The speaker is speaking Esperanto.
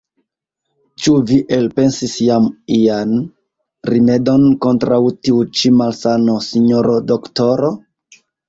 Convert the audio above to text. Ĉu vi elpensis jam ian rimedon kontraŭ tiu ĉi malsano, sinjoro doktoro?